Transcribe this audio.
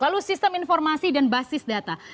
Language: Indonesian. lalu sistem informasi dan basis data